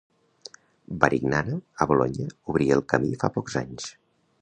Varignana, a Bolonya, obrí el camí fa pocs anys.